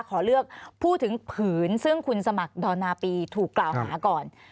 ขอเลือกพูดถึงผืนซึ่งคุณสมัครดอนนาปีถูกกล่าวหาก่อน